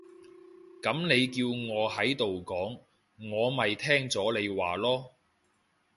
噉你叫我喺度講，我咪聽咗你話囉